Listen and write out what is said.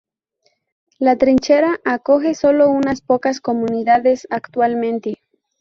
La Trinchera acoge solo unas pocas comunidades actualmente.